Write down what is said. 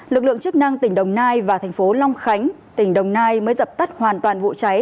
lực lượng chức năng tỉnh đồng nai và thành phố long khánh tỉnh đồng nai mới dập tắt hoàn toàn vụ cháy